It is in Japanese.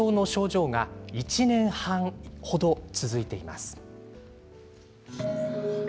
後遺症の症状が１年半程続いています。